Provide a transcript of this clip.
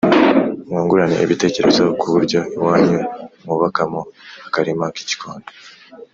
mwungurane ibitekerezo ku buryo iwanyu mwubakamo akarima k’igikoni.